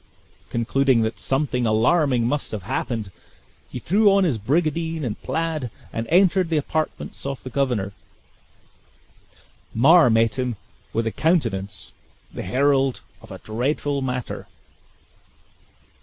Concluding that something alarming must have happened, he threw on his brigandine and plaid, and entered the apartments of the governor. Mar met him with a countenance, the herald of a dreadful matter.